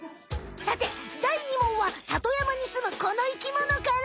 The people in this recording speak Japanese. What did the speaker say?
さて第２問は里山にすむこの生きものから！